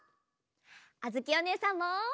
あづきおねえさんも！